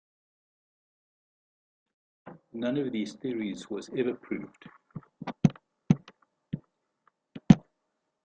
None of these theories was ever proved.